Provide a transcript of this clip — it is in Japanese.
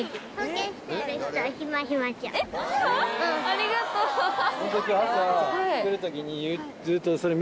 ありがとう。